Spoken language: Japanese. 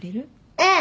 うん。